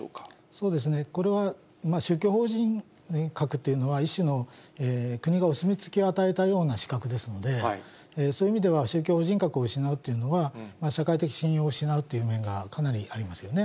そうですね、これは宗教法人格というのは、一種の、国がお墨付きを与えたような資格ですので、そういう意味では、宗教法人格を失うというのは、社会的信用を失うという面がかなりありますよね。